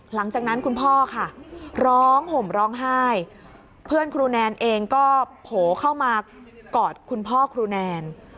หลังจากนั้นคุณพ่อค่ะร้องห่มร้องไห้เพื่อนครูแนนเองก็โผล่เข้ามากอดคุณพ่อครูแนน